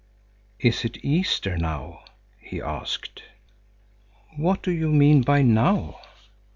"Is it Easter now?" he asked. "What do you mean by now?"